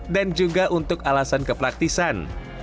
dan juga untuk alasan kepraktisan